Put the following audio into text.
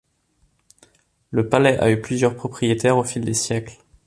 Le palais a eu plusieurs propriétaires au fil des siècles.